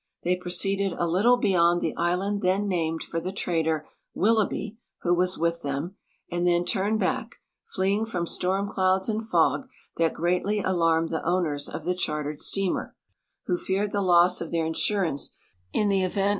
They proceeded a little beyond the island then named for the trader, Willoughby, who was with them, and then turned back, fleeing from storm clouds and fog that greatly alarmed the owners of the chartered steamer, who feared the loss of their insurance in the event.